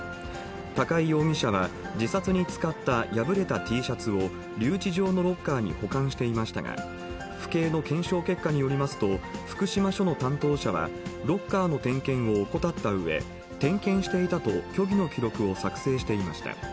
高井容疑者は、自殺に使った破れたＴシャツを留置場のロッカーに保管していましたが、府警の検証結果によりますと、福島署の担当者は、ロッカーの点検を怠ったうえ、点検していたと虚偽の記録を作成していました。